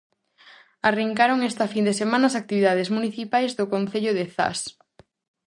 Arrincaron esta fin de semana as actividades municipais do concello de Zas.